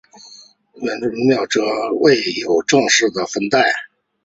冥古宙则尚未有正式的分代。